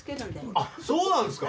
あっそうなんですか！